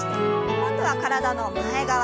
今度は体の前側。